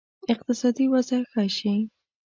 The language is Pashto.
اقتصادي وضع ښه شي.